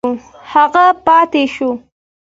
هغه پاته شو.